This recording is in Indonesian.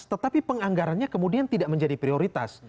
tetapi penganggarannya kemudian tidak menjadi prioritas